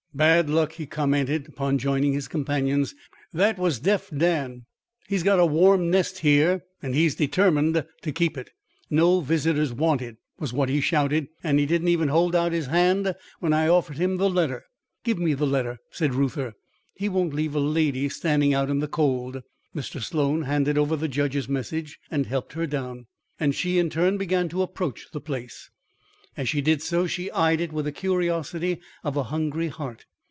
"Bad luck," he commented, upon joining his companions. "That was Deaf Dan. He's got a warm nest here, and he's determined to keep it. 'No visitors wanted,' was what he shouted, and he didn't even hold out his hand when I offered him the letter." "Give me the letter," said Reuther. "He won't leave a lady standing out in the cold." Mr. Sloan handed over the judge's message, and helped her down, and she in turn began to approach the place. As she did so, she eyed it with the curiosity of a hungry heart.